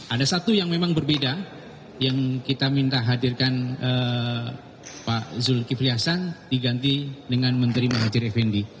ada satu yang memang berbeda yang kita minta hadirkan pak zulkifli hasan diganti dengan menteri mahajir effendi